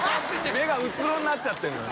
目がうつろになっちゃってるのよ。